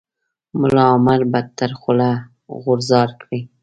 ملا عمر به تر خوله غورځار کړي.